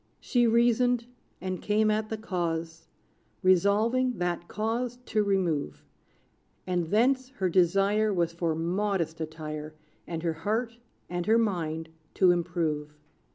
She reasoned, and came at the cause, Resolving that cause to remove; And thence, her desire Was for modest attire, And her heart and her mind to improve.